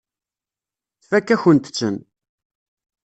Tfakk-akent-ten.